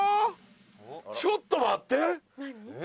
「ちょっと待って」